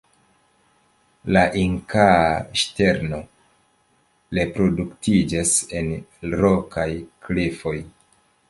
La Inkaa ŝterno reproduktiĝas en rokaj klifoj.